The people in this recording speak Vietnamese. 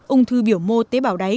ung thư biểu mô tế bào đáy